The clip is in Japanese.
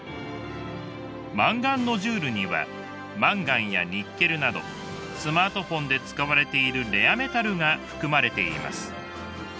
マンガンノジュールにはマンガンやニッケルなどスマートフォンで使われているレアメタルが含まれています。